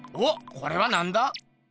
これはなんだ？